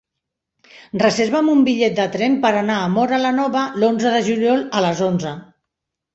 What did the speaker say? Reserva'm un bitllet de tren per anar a Móra la Nova l'onze de juliol a les onze.